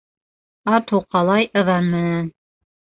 Ат һуҡалай ыҙан менән.